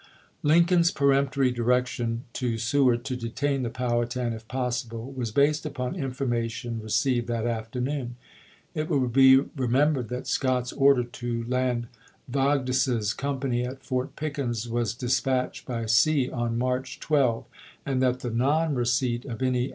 Lincoln's peremptory direction to Seward to detain the Powhatan if possible was based upon information received that afternoon. It will be remembered that Scott's order to land Vogdes's company at Fort Pickens was dispatched by sea on March 12, and that the non receipt of any an isei.